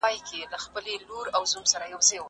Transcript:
مطالعه بايد د انسان په ژوند کي بدلون راولي.